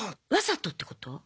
わざとってこと？